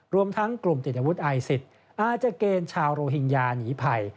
รวมทั้งกลุ่มติดอาวุธไอซิสอาจจะเกณฑ์ชาวโรฮิงญาหนีภัย